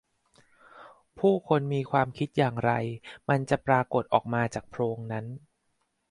ผู้คนมีความคิดอย่างไร มันจะปรากฎออกมาจากโพรงนั้น